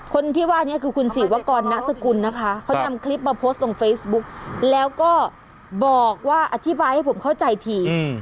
คนที่ว่านี้คือคุณศรีวกรณสกุลนะคะเขานำคลิปมาโพสต์ลงเฟซบุ๊กแล้วก็บอกว่าอธิบายให้ผมเข้าใจที